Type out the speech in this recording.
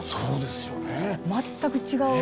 全く違う。